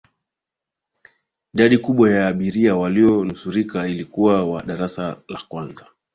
idadi kubwa ya abiria waliyonusurika walikuwa wa darasa la kwanza